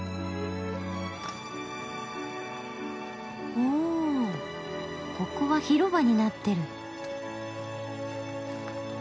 ほぉここは広場になってる。